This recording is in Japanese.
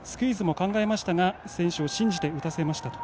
スクイズも考えましたが選手を信じて打たせました。